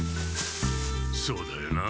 そうだよな。